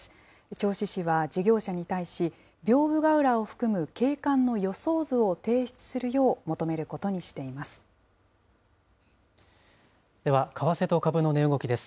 銚子市は事業者に対し、屏風ケ浦を含む景観の予想図を提出するよう求めることにしています。